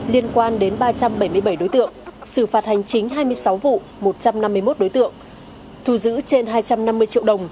liên quan đến ba trăm bảy mươi bảy đối tượng xử phạt hành chính hai mươi sáu vụ một trăm năm mươi một đối tượng thù giữ trên hai trăm năm mươi triệu đồng